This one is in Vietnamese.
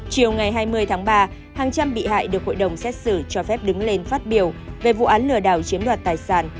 chiều ngày hai mươi tháng ba hàng trăm bị hại được hội đồng xét xử cho phép đứng lên phát biểu về vụ án lừa đảo chiếm đoạt tài sản